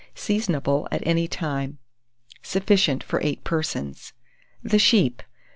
Seasonable at any time. Sufficient for 8 persons. THE SHEEP.